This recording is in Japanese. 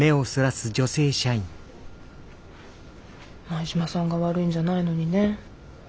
前島さんが悪いんじゃないのにね。